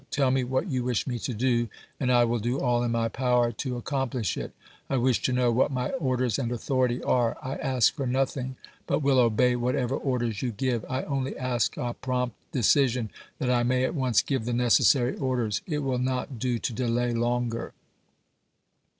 Tell me what you wish me to do, and I will do all in my power to accom plish it. I wish to know what my orders and authority are. I ask for nothing, but will obey whatever orders ^^ you give. I only ask a prompt decision, that I may at Z^L^J once give the necessary orders. It will not do to delay p. 98.'' longer.